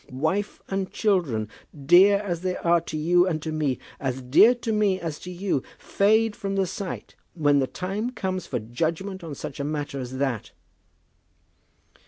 Wife and children, dear as they are to you and to me, as dear to me as to you, fade from the sight when the time comes for judgment on such a matter as that!"